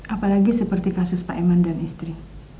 apalagi seperti kasus pak eman dan istri